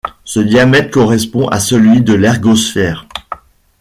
Ce diamètre correspond à celui de l'ergosphère.